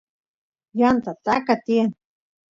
yanta taka tiyan